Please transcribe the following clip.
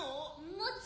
もち！